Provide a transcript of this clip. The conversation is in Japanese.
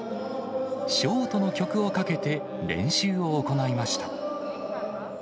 ショートの曲をかけて練習を行いました。